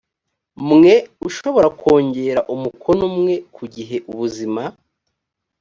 mwe ushobora kongera umukono umwe ku gihe ubuzima